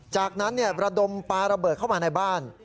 จากนั้นระดมปลาระเบิดเข้ามาในบ้าน